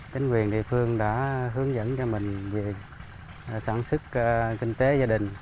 chính quyền địa phương đã hướng dẫn cho mình về sản xuất kinh tế gia đình